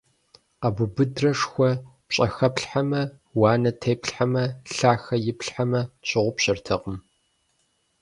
Къэбубыдрэ шхуэ пщӀэхэплъхьэмэ, уанэ теплъхьэмэ, лъахъэ иплъхьэмэ, щыгъупщэртэкъым.